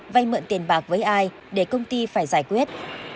vay mượn tiền bạc với ai để công ty phải giải quyết